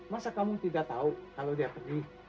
masa kamu tidak tahu kalau dia pergi